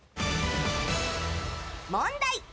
問題。